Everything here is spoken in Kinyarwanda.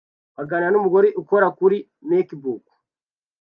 baganira numugore ukora kuri MacBook